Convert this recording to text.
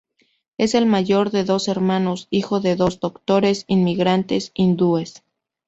Es el mayor de dos hermanos, hijo de dos doctores inmigrantes hindúes.